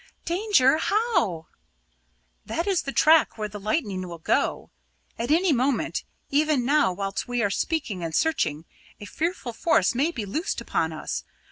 "Danger! How?" "That is the track where the lightning will go; at any moment, even now whilst we are speaking and searching, a fearful force may be loosed upon us.